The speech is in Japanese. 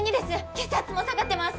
血圧も下がってます